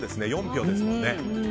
４票ですもんね。